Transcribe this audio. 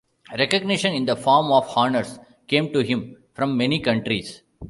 Recognition in the form of honours came to him from many countries.